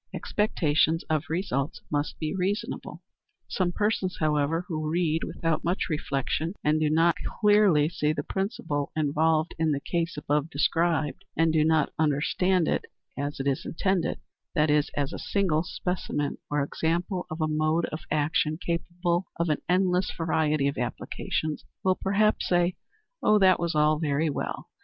Expectations of Results must be Reasonable. Some persons, however, who read without much reflection, and who do not clearly see the principle involved in the case above described, and do not understand it as it is intended that is, as a single specimen or example of a mode of action capable of an endless variety of applications, will perhaps say, "Oh, that was all very well.